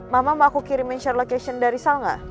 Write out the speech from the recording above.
mama mau aku kirimin share location dari sal gak